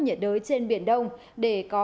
nhiệt đới trên biển đông để có